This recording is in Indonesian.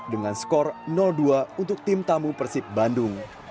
dengan skor dua untuk tim tamu persibandung